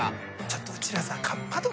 ちょっとうちらさ。